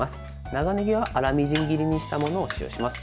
長ねぎは粗みじん切りにしたものを使用します。